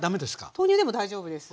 豆乳でも大丈夫です。